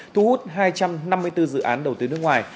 thu hút hai trăm năm mươi bốn dự án đầu tư nước ngoài